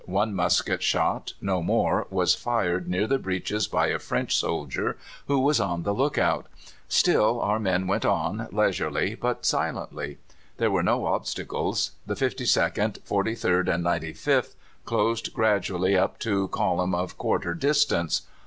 One musket shot (no more) was fired near the breaches by a French soldier who was on the look out. Still our men went on, leisurely but silently. There were no obstacles. The 52nd, 43rd, and 95th closed gradually up to column of quarter distance.